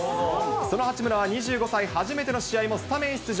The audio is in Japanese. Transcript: その八村は２５歳初めての試合もスタメン出場。